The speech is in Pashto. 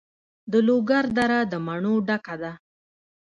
د لوګر دره د مڼو ډکه ده.